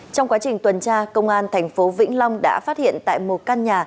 trong quá trình tuần tra công an thành phố vĩnh long đã phát hiện tại một căn nhà